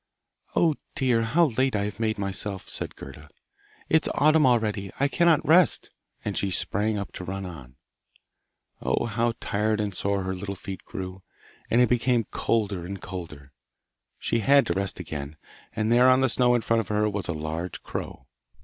'Oh, dear, how late I have made myself!' said Gerda. 'It's autumn already! I cannot rest!' And she sprang up to run on. Oh, how tired and sore her little feet grew, and it became colder and colder. She had to rest again, and there on the snow in front of her was a large crow.